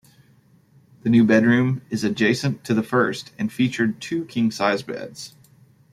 The new bedroom is adjacent to the first, and featured two king-sized beds.